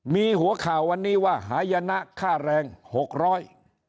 มีหัวข่าววันนี้ว่าหายนะค่าแรงหกร้อย